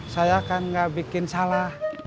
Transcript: saya kan gak bikin salah